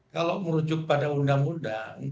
kalau merujuk pada undang undang